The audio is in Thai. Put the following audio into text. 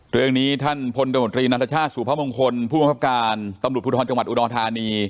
เรื่องนี้ท่านพลประมวลตรีนัฐชาติสู่พระมงคลผู้มันภัพการตำรุปพุทธธรรมจังหวัดอุดอธานี